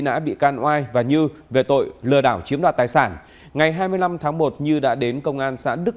nã bị can oai và như về tội lừa đảo chiếm đoạt tài sản ngày hai mươi năm tháng một như đã đến công an xã đức